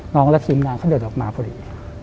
และทีมงานเขาเดินออกมาพอดี